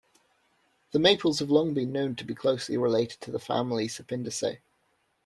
The maples have long been known to be closely related to the family Sapindaceae.